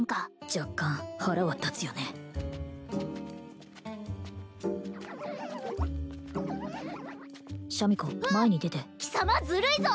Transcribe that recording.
若干腹は立つよねシャミ子前に出て貴様ずるいぞ！